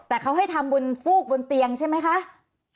แต่เขาให้ทำบุญฟูกบนเตียงใช่ไหมคะ